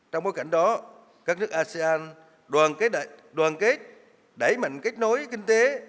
trong bối cảnh đó các nước asean đoàn kết đẩy mạnh kết nối kinh tế